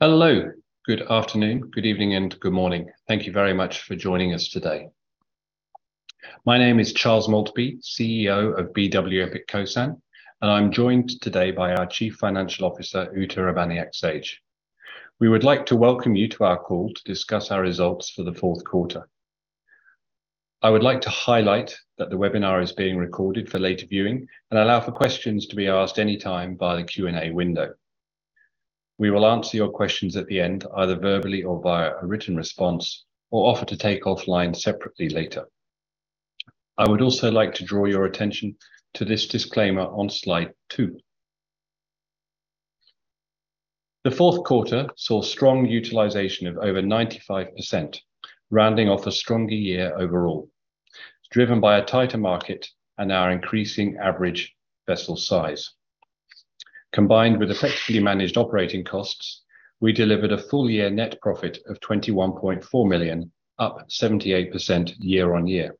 Hello. Good afternoon, good evening, and good morning. Thank you very much for joining us today. My name is Charles Maltby, CEO of BW Epic Kosan, and I'm joined today by our Chief Financial Officer, Uta Urbaniak-Sage. We would like to welcome you to our call to discuss our results for the Q4. I would like to highlight that the webinar is being recorded for later viewing and allow for questions to be asked anytime via the Q&A window. We will answer your questions at the end, either verbally or via a written response, or offer to take offline separately later. I would also like to draw your attention to this disclaimer on slide two. The Q4 saw strong utilization of over 95%, rounding off a stronger year overall. It's driven by a tighter market and our increasing average vessel size. Combined with effectively managed operating costs, we delivered a full year net profit of $21.4 million, up 78% year-on-year.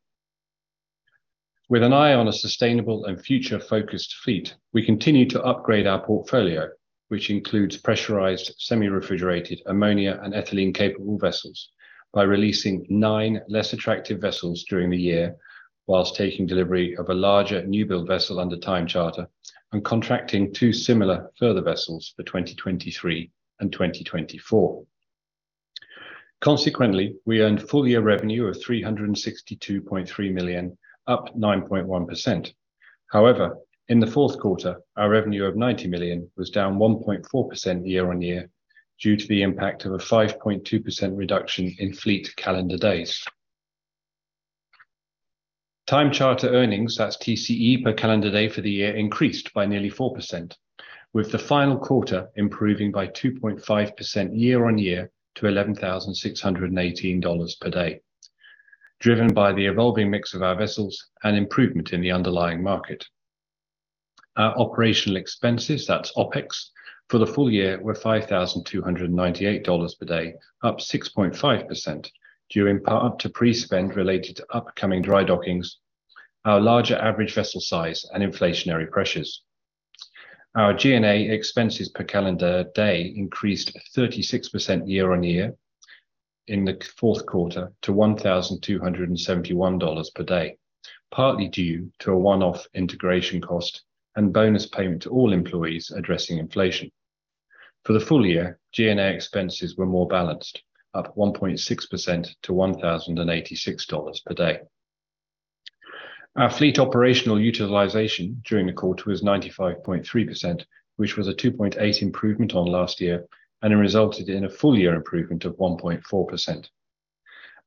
With an eye on a sustainable and future-focused fleet, we continue to upgrade our portfolio, which includes pressurized semi-refrigerated ammonia and ethylene-capable vessels by releasing nine less attractive vessels during the year, whilst taking delivery of a larger new build vessel under time charter and contracting two similar further vessels for 2023 and 2024. Consequently, we earned full year revenue of $362.3 million, up 9.1%. However, in the Q4, our revenue of $90 million was down 1.4% year-on-year due to the impact of a 5.2% reduction in fleet calendar days. Time charter earnings, that's TCE per calendar day for the year, increased by nearly 4%. With the final quarter improving by 2.5% year-on-year to $11,618 per day, driven by the evolving mix of our vessels and improvement in the underlying market. Our operational expenses, that's OpEx, for the full year were $5,298 per day, up 6.5% during part up to pre-spend related to upcoming dry dockings, our larger average vessel size and inflationary pressures. Our G&A expenses per calendar day increased 36% year-on-year in the Q4 to $1,271 per day, partly due to a one-off integration cost and bonus payment to all employees addressing inflation. For the full year, G&A expenses were more balanced, up 1.6% to $1,086 per day. Our fleet operational utilization during the quarter was 95.3%, which was a 2.8% improvement on last year. It resulted in a full year improvement of 1.4%.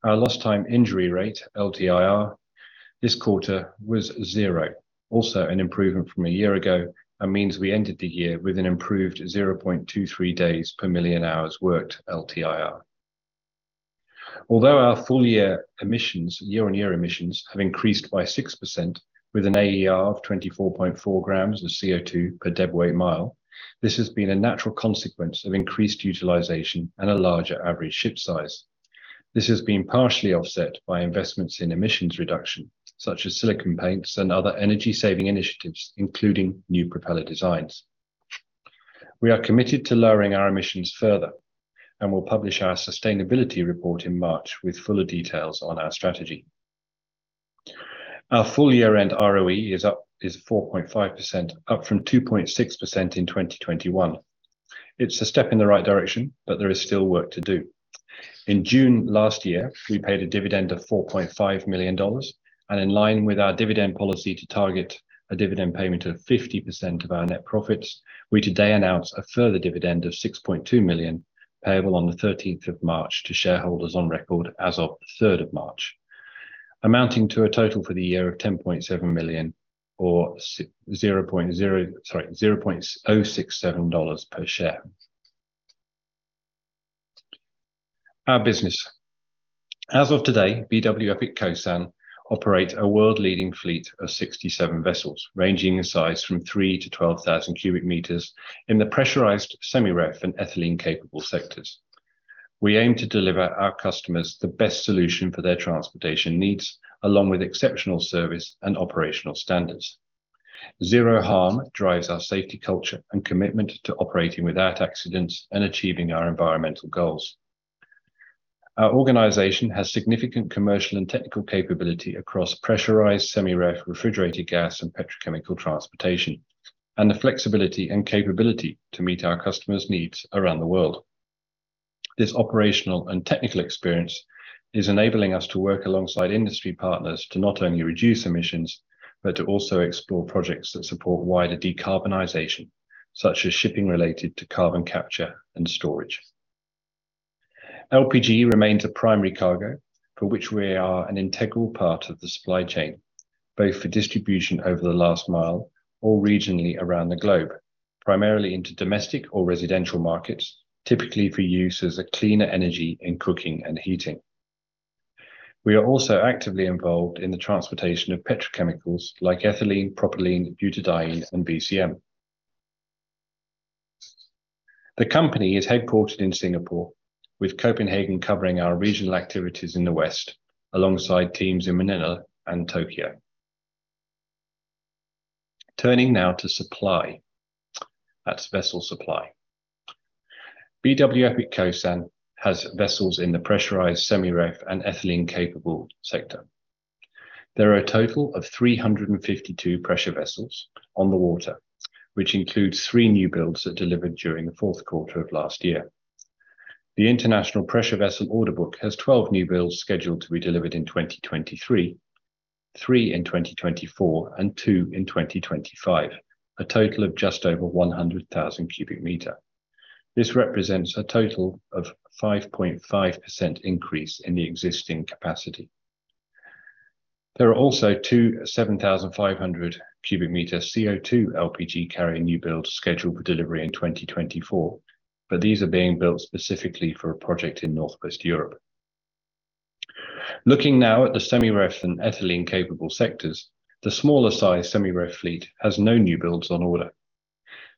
Our lost time injury rate, LTIR, this quarter was zero. Also an improvement from a year ago, and means we ended the year with an improved 0.23 days per million hours worked LTIR. Although our full year emissions, year-on-year emissions, have increased by 6% with an AER of 24.4 grams of CO2 per deadweight mile, this has been a natural consequence of increased utilization and a larger average ship size. This has been partially offset by investments in emissions reduction, such as silicone paints and other energy-saving initiatives, including new propeller designs. We are committed to lowering our emissions further, and we'll publish our sustainability report in March with fuller details on our strategy. Our full year-end ROE is 4.5%, up from 2.6% in 2021. It's a step in the right direction, but there is still work to do. In June last year, we paid a dividend of $4.5 million, and in line with our dividend policy to target a dividend payment of 50% of our net profits, we today announce a further dividend of $6.2 million payable on the 13th of March to shareholders on record as of March 3rd, amounting to a total for the year of $10.7 million or $0.067 per share. Our business. As of today, BW Epic Kosan operate a world leading fleet of 67 vessels, ranging in size from 3 to 12,000 cubic meters in the pressurized semi-ref and ethylene-capable sectors. We aim to deliver our customers the best solution for their transportation needs, along with exceptional service and operational standards. Zero harm drives our safety culture and commitment to operating without accidents and achieving our environmental goals. Our organization has significant commercial and technical capability across pressurized semi-ref, refrigerated gas, and petrochemical transportation, and the flexibility and capability to meet our customers' needs around the world. This operational and technical experience is enabling us to work alongside industry partners to not only reduce emissions, but to also explore projects that support wider decarbonization, such as shipping related to carbon capture and storage. LPG remains a primary cargo for which we are an integral part of the supply chain, both for distribution over the last mile or regionally around the globe, primarily into domestic or residential markets, typically for use as a cleaner energy in cooking and heating. We are also actively involved in the transportation of petrochemicals like ethylene, propylene, butadiene, and VCM. The company is headquartered in Singapore, with Copenhagen covering our regional activities in the West, alongside teams in Manila and Tokyo. Turning now to supply. That's vessel supply. BW Epic Kosan has vessels in the pressurized semi-ref and ethylene capable sector. There are a total of 352 pressure vessels on the water, which includes three new builds that delivered during the Q4 of last year. The International Pressure Vessel Order Book has 12 new builds scheduled to be delivered in 2023, three in 2024, and two in 2025, a total of just over 100,000 cubic meter. This represents a total of 5.5% increase in the existing capacity. There are also two 7,500 cubic meter CO2 LPG carrying new builds scheduled for delivery in 2024, but these are being built specifically for a project in Northwest Europe. Looking now at the semi-ref and ethylene capable sectors, the smaller size semi-ref fleet has no new builds on order.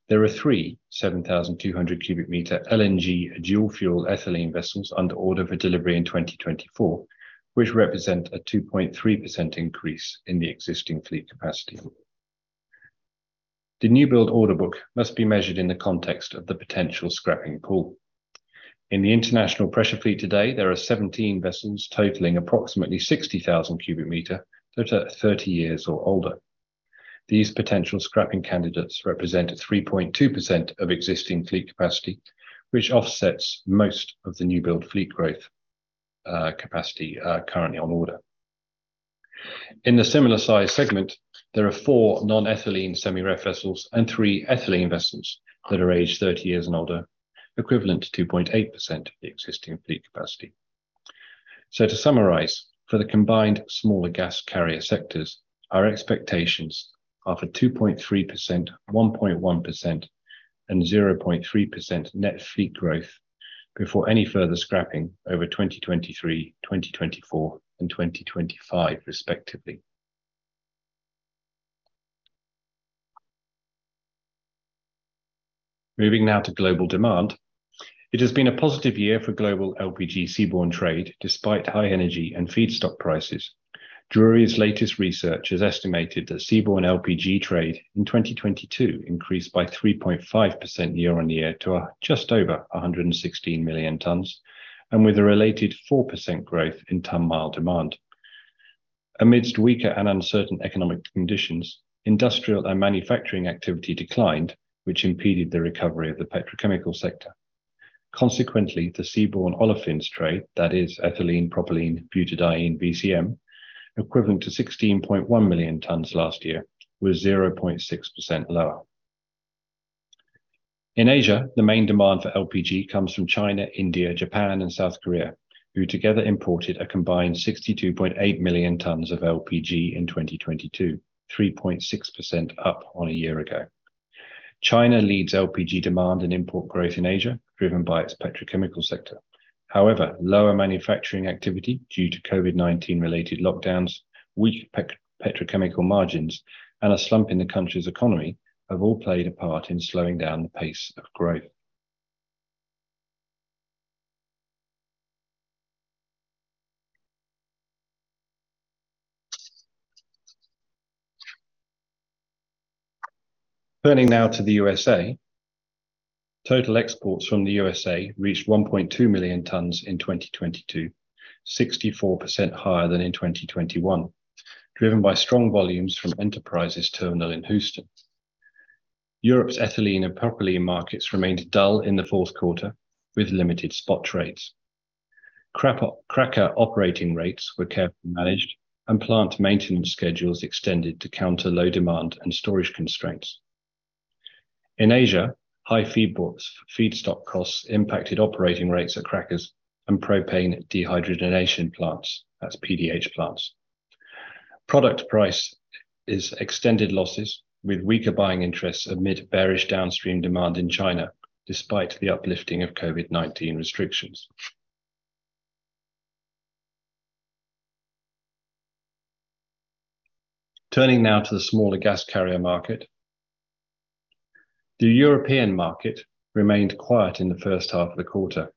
There are three 7,200 cubic meter LNG dual fuel ethylene vessels under order for delivery in 2024, which represent a 2.3% increase in the existing fleet capacity. The new build order book must be measured in the context of the potential scrapping pool. In the international pressure fleet today, there are 17 vessels totaling approximately 60,000 cubic meters that are 30 years or older. These potential scrapping candidates represent a 3.2% of existing fleet capacity, which offsets most of the new build fleet growth capacity currently on order. In the similar size segment, there are four non-ethylene semi-ref vessels and three ethylene vessels that are aged 30 years and older, equivalent to 2.8% of the existing fleet capacity. To summarize, for the combined smaller gas carrier sectors, our expectations are for 2.3%, 1.1%, and 0.3% net fleet growth before any further scrapping over 2023, 2024, and 2025, respectively. Moving now to global demand. It has been a positive year for global LPG seaborne trade despite high energy and feedstock prices. Drewry's latest research has estimated that seaborne LPG trade in 2022 increased by 3.5% year-on-year to just over 116 million tons and with a related 4% growth in ton-mile demand. Amidst weaker and uncertain economic conditions, industrial and manufacturing activity declined, which impeded the recovery of the petrochemical sector. Consequently, the seaborne olefins trade, that is ethylene, propylene, butadiene, VCM, equivalent to 16.1 million tons last year, was 0.6% lower. In Asia, the main demand for LPG comes from China, India, Japan, and South Korea, who together imported a combined 62.8 million tons of LPG in 2022, 3.6% up on a year ago. China leads LPG demand and import growth in Asia, driven by its petrochemical sector. Lower manufacturing activity due to COVID-19 related lockdowns, weak petrochemical margins, and a slump in the country's economy have all played a part in slowing down the pace of growth. Turning now to the USA. Total exports from the USA reached 1.2 million tons in 2022, 64% higher than in 2021, driven by strong volumes from Enterprise Terminal in Houston. Europe's ethylene and propylene markets remained dull in the Q4 with limited spot trades. Cracker operating rates were carefully managed and plant maintenance schedules extended to counter low demand and storage constraints. In Asia, high feedstock costs impacted operating rates at crackers and propane dehydrogenation plants, that's PDH plants. Product price is extended losses with weaker buying interests amid bearish downstream demand in China despite the uplifting of COVID-19 restrictions. Turning now to the smaller gas carrier market. The European market remained quiet in the first half of the quarter.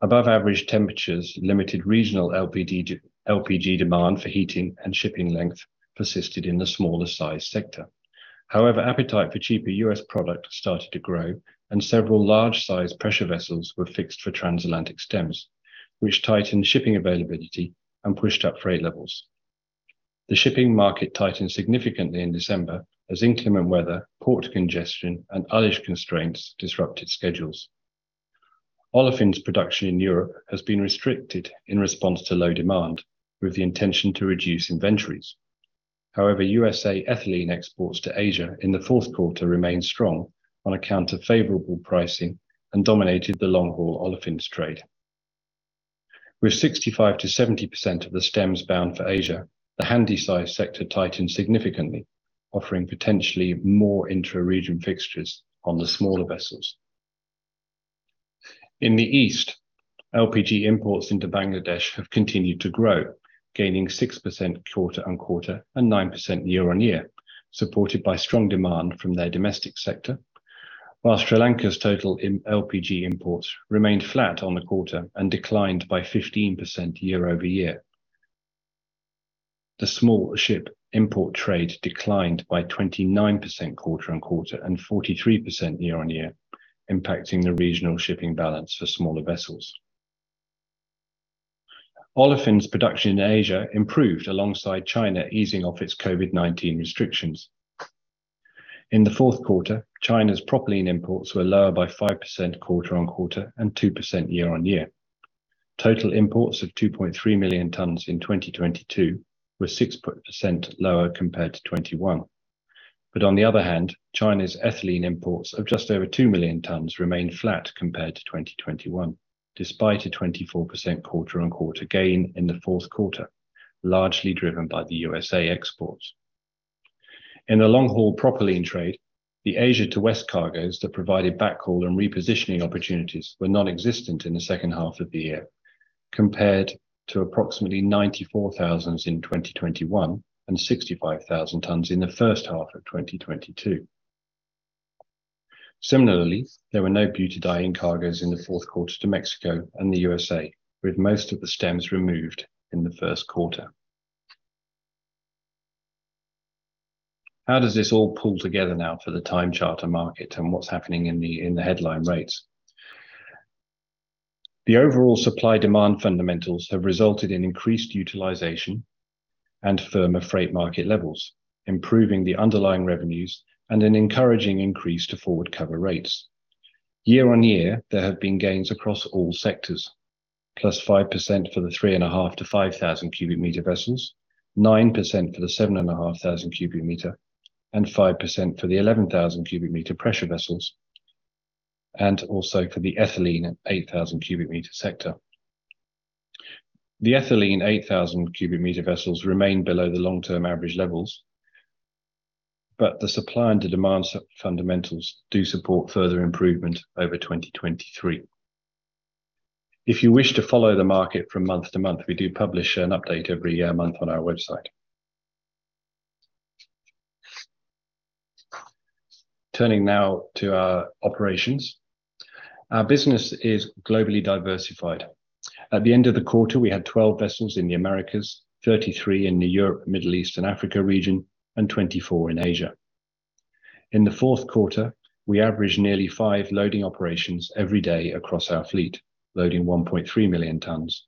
Above average temperatures, limited regional LPG demand for heating and shipping length persisted in the smaller size sector. Appetite for cheaper U.S. product started to grow and several large size pressure vessels were fixed for transatlantic stems, which tightened shipping availability and pushed up freight levels. The shipping market tightened significantly in December as inclement weather, port congestion, and other constraints disrupted schedules. Olefins production in Europe has been restricted in response to low demand with the intention to reduce inventories. USA ethylene exports to Asia in the Q4 remained strong on account of favorable pricing and dominated the long-haul olefins trade. With 65%-70% of the stems bound for Asia, the handy-size sector tightened significantly, offering potentially more intra-region fixtures on the smaller vessels. In the East, LPG imports into Bangladesh have continued to grow, gaining 6% quarter-on-quarter and 9% year-on-year, supported by strong demand from their domestic sector. While Sri Lanka's total LPG imports remained flat on the quarter and declined by 15% year-over-year, the small ship import trade declined by 29% quarter-on-quarter and 43% year-on-year, impacting the regional shipping balance for smaller vessels. Olefins production in Asia improved alongside China easing off its COVID-19 restrictions. In the Q4, China's propylene imports were lower by 5% quarter-on-quarter and 2% year-on-year. Total imports of 2.3 million tons in 2022 were 6% lower compared to 2021. On the other hand, China's ethylene imports of just over 2 million tons remained flat compared to 2021, despite a 24% quarter-on-quarter gain in the Q4, largely driven by the USA exports. In the long-haul propylene trade, the Asia to West cargos that provided backhaul and repositioning opportunities were nonexistent in the second half of the year compared to approximately 94,000 in 2021 and 65,000 tons in the first half of 2022. Similarly, there were no butadiene cargos in the Q4 to Mexico and the USA, with most of the stems removed in the Q1. How does this all pull together now for the time charter market and what's happening in the headline rates? The overall supply-demand fundamentals have resulted in increased utilization and firmer freight market levels, improving the underlying revenues and an encouraging increase to forward cover rates. Year-on-year, there have been gains across all sectors, plus 5% for the 3,500-5,000 cubic meter vessels, 9% for the 7,500 cubic meter, and 5% for the 11,000 cubic meter pressure vessels, and also for the ethylene 8,000 cubic meter sector. The ethylene 8,000 cubic meter vessels remain below the long-term average levels, the supply and demand fundamentals do support further improvement over 2023. If you wish to follow the market from month-to-month, we do publish an update every month on our website. Turning now to our operations. Our business is globally diversified. At the end of the quarter, we had 12 vessels in the Americas, 33 in the Europe, Middle East, and Africa region, and 24 in Asia. In the Q4, we averaged nearly five loading operations every day across our fleet, loading 1.3 million tons,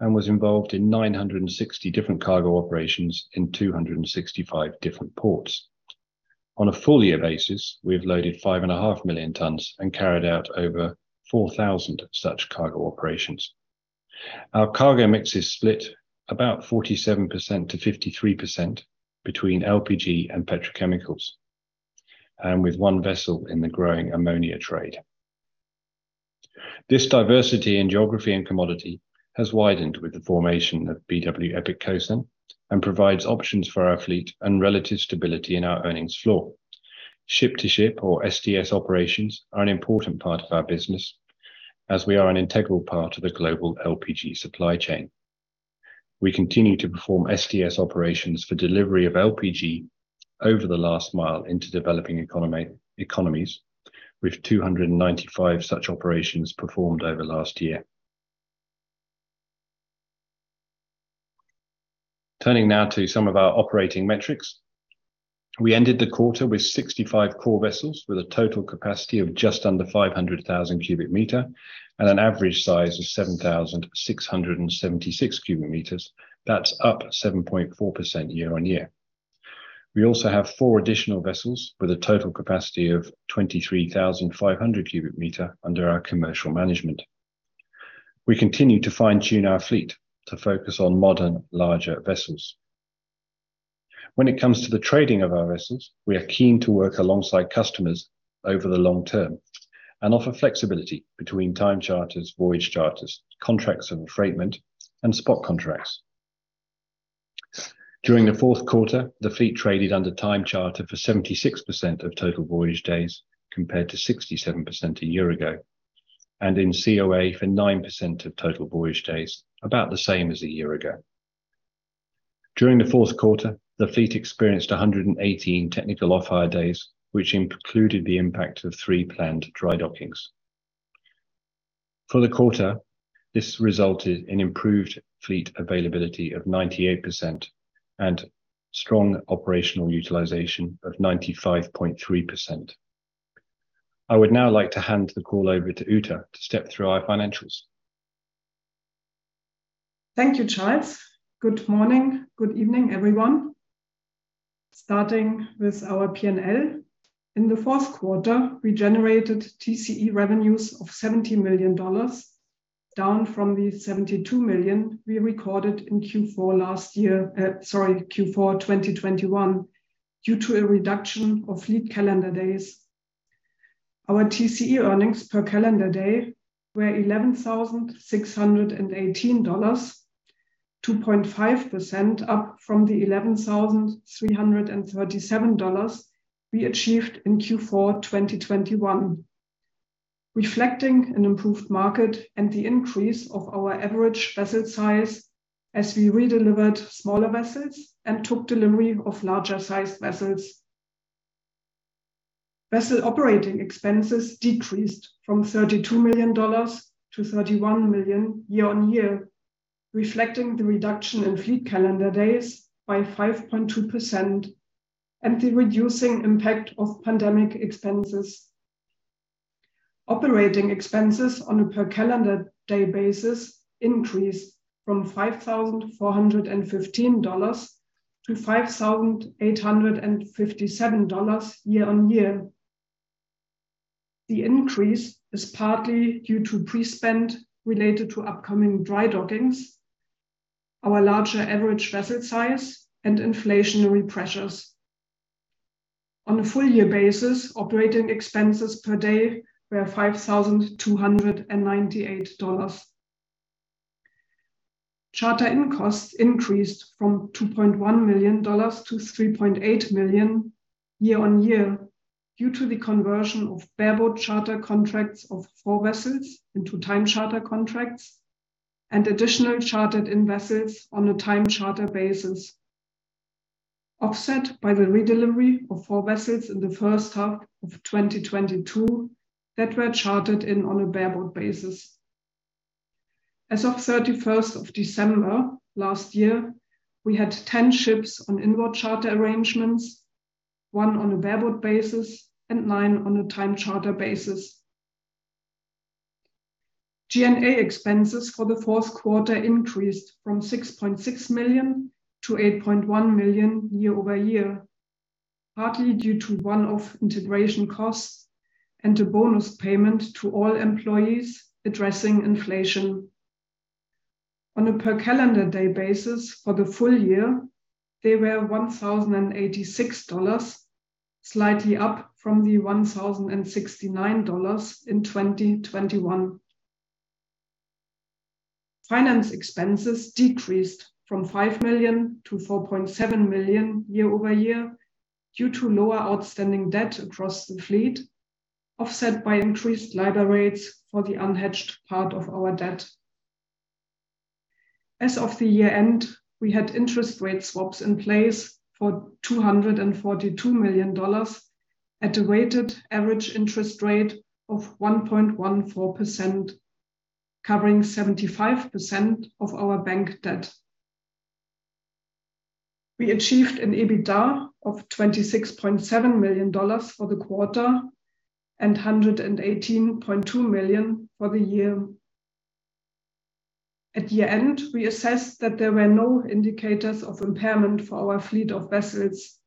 and was involved in 960 different cargo operations in 265 different ports. On a full year basis, we have loaded 5.5 million tons and carried out over 4,000 such cargo operations. Our cargo mix is split about 47% to 53% between LPG and petrochemicals, with one vessel in the growing ammonia trade. This diversity in geography and commodity has widened with the formation of BW Epic Kosan and provides options for our fleet and relative stability in our earnings floor. Ship-to-ship or STS operations are an important part of our business as we are an integral part of the global LPG supply chain. We continue to perform STS operations for delivery of LPG over the last mile into developing economies, with 295 such operations performed over last year. Turning now to some of our operating metrics. We ended the quarter with 65 core vessels with a total capacity of just under 500,000 cubic meters and an average size of 7,676 cubic meters. That's up 7.4% year on year. We also have four additional vessels with a total capacity of 23,500 cubic meters under our commercial management. We continue to fine-tune our fleet to focus on modern, larger vessels. When it comes to the trading of our vessels, we are keen to work alongside customers over the long term and offer flexibility between time charters, voyage charters, contracts of affreightment, and spot contracts. During the Q4, the fleet traded under time charter for 76% of total voyage days, compared to 67% a year ago, and in COA for 9% of total voyage days, about the same as a year ago. During the Q4, the fleet experienced 118 technical off-hire days, which included the impact of three planned dry dockings. For the quarter, this resulted in improved fleet availability of 98% and strong operational utilization of 95.3%. I would now like to hand the call over to Uta to step through our financials. Thank you, Charles. Good morning, good evening, everyone. Starting with our P&L. In the Q1, we generated TCE revenues of $70 million, down from the $72 million we recorded in Q4 last year, Q4 2021, due to a reduction of fleet calendar days. Our TCE earnings per calendar day were $11,618, 2.5% up from the $11,337 we achieved in Q4 2021, reflecting an improved market and the increase of our average vessel size as we redelivered smaller vessels and took delivery of larger sized vessels. Vessel operating expenses decreased from $32 million to $32 million year-on-year, reflecting the reduction in fleet calendar days by 5.2% and the reducing impact of pandemic expenses. Operating expenses on a per calendar day basis increased from $5,415 to $5,857 year-on-year. The increase is partly due to pre-spend related to upcoming dry dockings, our larger average vessel size, and inflationary pressures. On a full year basis, operating expenses per day were $5,298. Charter-in costs increased from $2.1 million to $3.8 million year-on-year due to the conversion of bareboat charter contracts of four vessels into time charter contracts and additional chartered-in vessels on a time charter basis, offset by the redelivery of four vessels in the first half of 2022 that were chartered in on a bareboat basis. As of 31st of December last year, we had 10 ships on inward charter arrangements, one on a bareboat basis and nine on a time charter basis. G&A expenses for the Q4 increased from $6.6 million to $8.1 million year-over-year, partly due to one-off integration costs and a bonus payment to all employees addressing inflation. On a per calendar day basis for the full year, they were $1,086, slightly up from the $1,069 in 2021. Finance expenses decreased from $5 million to $4.7 million year-over-year due to lower outstanding debt across the fleet, offset by increased LIBOR rates for the unhedged part of our debt. As of the year-end, we had interest rate swaps in place for $242 million at a weighted average interest rate of 1.14%, covering 75% of our bank debt. We achieved an EBITDA of $26.7 million for the quarter and $118.2 million for the year. At year-end, we assessed that there were no indicators of impairment for our fleet of vessels.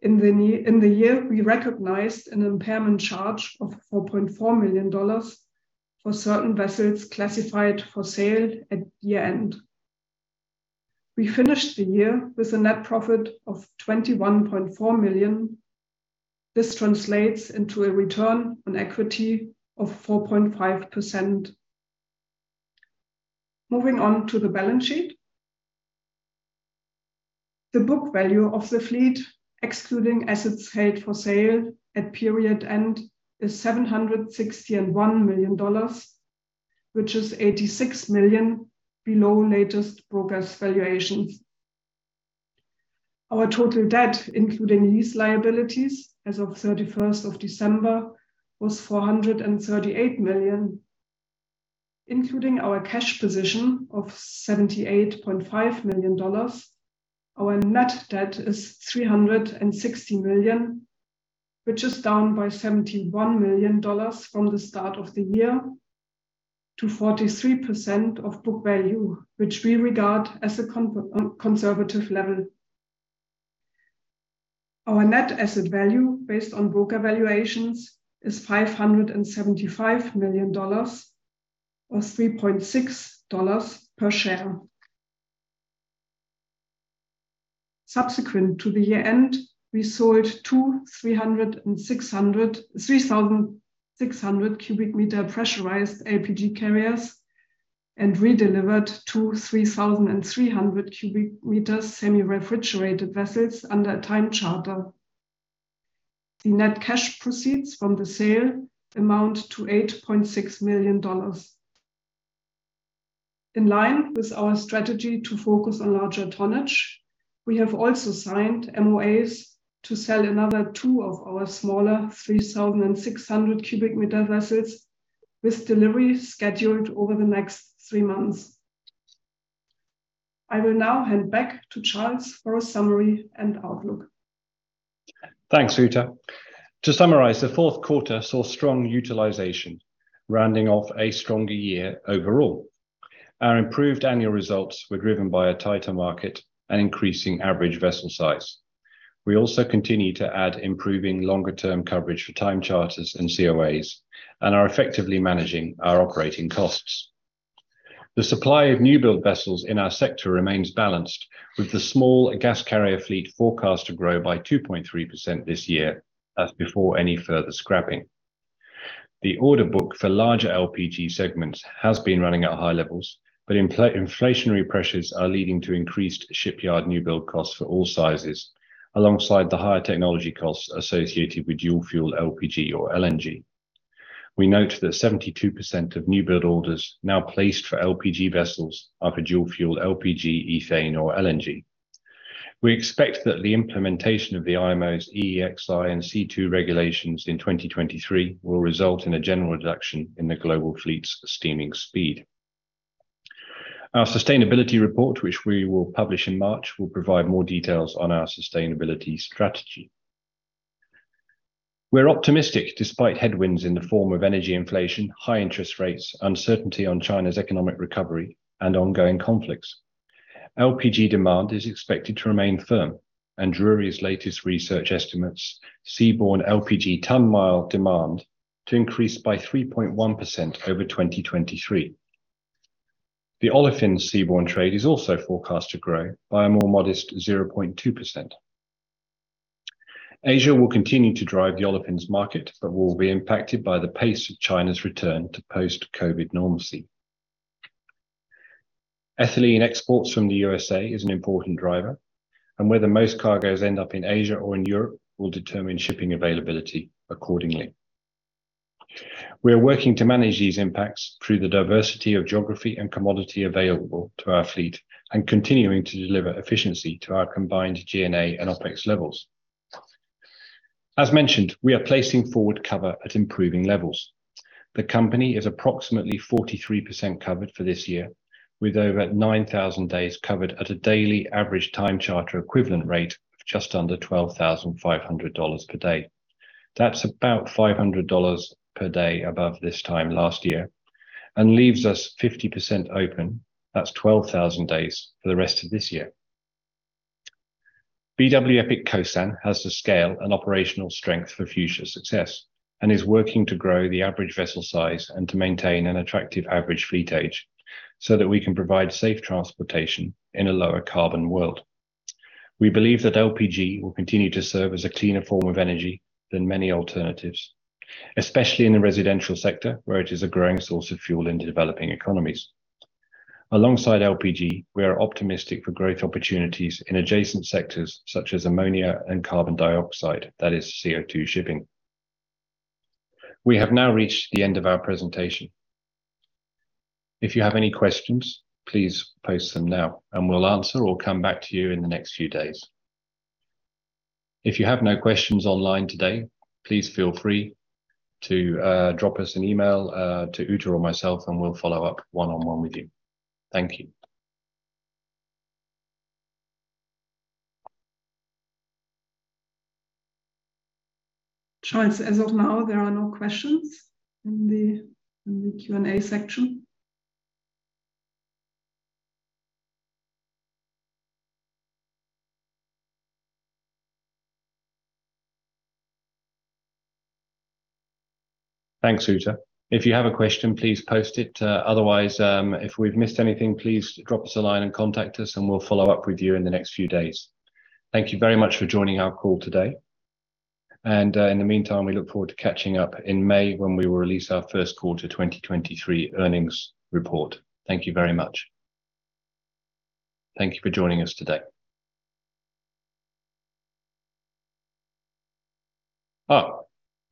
In the year, we recognized an impairment charge of $4.4 million for certain vessels classified for sale at year-end. We finished the year with a net profit of $21.4 million. This translates into a return on equity of 4.5%. Moving on to the balance sheet. The book value of the fleet, excluding assets held for sale at period end, is $761 million, which is $86 million below latest brokers valuations. Our total debt, including lease liabilities as of December 31st, was $438 million. Including our cash position of $78.5 million, our net debt is $360 million, which is down by $71 million from the start of the year to 43% of book value, which we regard as a conservative level. Our net asset value based on broker valuations is $575 million, or $3.6 per share. Subsequent to the year-end, we sold two 3,600 cubic meter pressurized LPG carriers and redelivered two 3,300 cubic meters semi-refrigerated vessels under a time charter. The net cash proceeds from the sale amount to $8.6 million. In line with our strategy to focus on larger tonnage, we have also signed MOAs to sell another two of our smaller 3,600 cubic meter vessels, with delivery scheduled over the next three months. I will now hand back to Charles for a summary and outlook. Thanks, Uta. To summarize, the Q4 saw strong utilization, rounding off a stronger year overall. Our improved annual results were driven by a tighter market and increasing average vessel size. We also continue to add improving longer-term coverage for time charters and COAs and are effectively managing our operating costs. The supply of new build vessels in our sector remains balanced, with the small gas carrier fleet forecast to grow by 2.3% this year, as before any further scrapping. The order book for larger LPG segments has been running at high levels, but inflationary pressures are leading to increased shipyard new build costs for all sizes, alongside the higher technology costs associated with dual-fuel LPG or LNG. We note that 72% of new build orders now placed for LPG vessels are for dual-fuel LPG, ethane, or LNG. We expect that the implementation of the IMO's EEXI and CII regulations in 2023 will result in a general reduction in the global fleet's steaming speed. Our sustainability report, which we will publish in March, will provide more details on our sustainability strategy. We're optimistic despite headwinds in the form of energy inflation, high interest rates, uncertainty on China's economic recovery, and ongoing conflicts. LPG demand is expected to remain firm, and Drewry's latest research estimates seaborne LPG ton-mile demand to increase by 3.1% over 2023. The olefin seaborne trade is also forecast to grow by a more modest 0.2%. Asia will continue to drive the olefins market, but will be impacted by the pace of China's return to post-COVID normalcy. Ethylene exports from the USA is an important driver, and whether most cargoes end up in Asia or in Europe will determine shipping availability accordingly. We are working to manage these impacts through the diversity of geography and commodity available to our fleet and continuing to deliver efficiency to our combined G&A and OpEx levels. As mentioned, we are placing forward cover at improving levels. The company is approximately 43% covered for this year, with over 9,000 days covered at a daily average time charter equivalent rate of just under $12,500 per day. That's about $500 per day above this time last year and leaves us 50% open, that's 12,000 days, for the rest of this year. BW Epic Kosan has the scale and operational strength for future success and is working to grow the average vessel size and to maintain an attractive average fleet age so that we can provide safe transportation in a lower carbon world. We believe that LPG will continue to serve as a cleaner form of energy than many alternatives, especially in the residential sector, where it is a growing source of fuel in developing economies. Alongside LPG, we are optimistic for growth opportunities in adjacent sectors such as ammonia and carbon dioxide, that is CO2 shipping. We have now reached the end of our presentation. If you have any questions, please post them now, and we'll answer or come back to you in the next few days. If you have no questions online today, please feel free to drop us an email to Uta or myself, and we'll follow up one-on-one with you. Thank you. Charles, as of now, there are no questions in the Q&A section. Thanks, Uta. If you have a question, please post it. Otherwise, if we've missed anything, please drop us a line and contact us, and we'll follow up with you in the next few days. Thank you very much for joining our call today. In the meantime, we look forward to catching up in May when we will release our Q1 2023 earnings report. Thank you very much. Thank you for joining us today.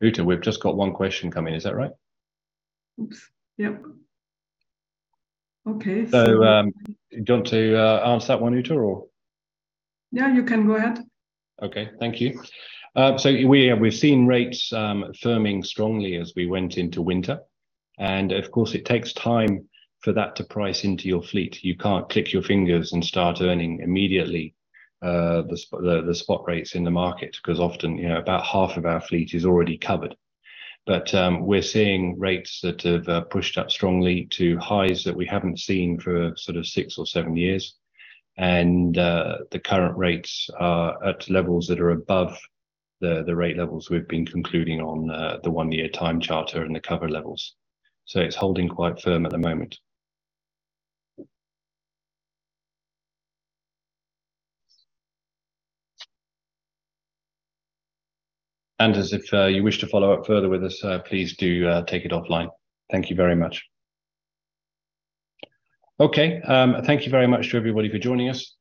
Uta, we've just got one question coming. Is that right? Oops. Yep. Okay. Do you want to answer that one, Uta, or...? Yeah, you can go ahead. Okay. Thank you. So we're seeing rates firming strongly as we went into winter. Of course it takes time for that to price into your fleet. You can't click your fingers and start earning immediately the spot rates in the market, because often, you know, about half of our fleet is already covered. We're seeing rates that have pushed up strongly to highs that we haven't seen for sort of six or seven years. The current rates are at levels that are above the rate levels we've been concluding on the one year time charter and the cover levels. It's holding quite firm at the moment. As if you wish to follow up further with us, please do take it offline. Thank you very much. Okay. Thank you very much to everybody for joining us.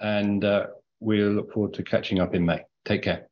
We'll look forward to catching up in May. Take care.